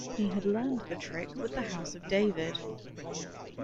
He had learned the trick with the House of David.